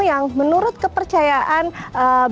yang menurut kepercayaan balikpahitra